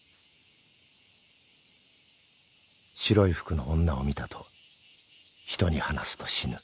［「白い服の女を見た」と人に話すと死ぬ］